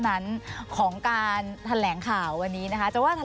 แต่ใบของสุภพพ่อเราไม่มีสัตว์แป๊กเจ้าหัวไม่มี